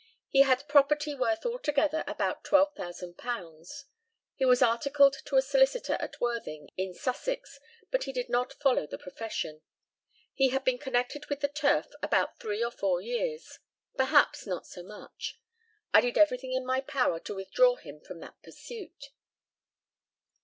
He had property worth altogether about £12,000. He was articled to a solicitor at Worthing, in Sussex, but he did not follow the profession. He had been connected with the turf about three or four years perhaps not so much. I did everything in my power to withdraw him from that pursuit.